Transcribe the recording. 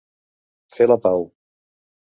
Fer la pau.